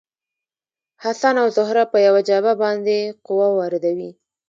حسن او زهره په یوه جعبه باندې قوه واردوي.